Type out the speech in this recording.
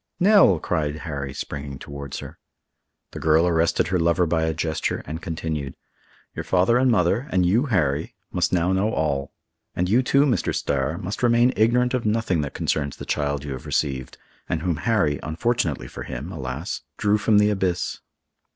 "Nell!" cried Harry, springing towards her. The girl arrested her lover by a gesture, and continued, "Your father and mother, and you, Harry, must now know all. And you too, Mr. Starr, must remain ignorant of nothing that concerns the child you have received, and whom Harry—unfortunately for him, alas!—drew from the abyss."